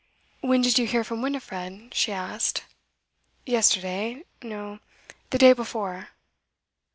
'When did you hear from Winifred?' she asked. 'Yesterday no, the day before.